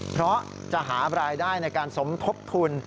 เพราะจะหารายได้ในการสมทบทุน